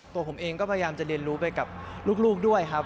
ตัวผมเองก็พยายามจะเรียนรู้ไปกับลูกด้วยครับ